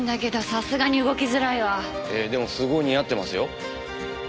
でもすごい似合ってますよ。